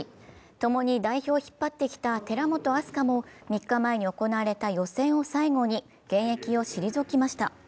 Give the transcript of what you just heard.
共に代表を引っ張ってきた寺本明日香も３日前に行われた予選を最後に現役を退きました。